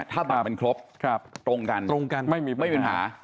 ถ้าเป็นครบตรงกันไม่มีปัญหา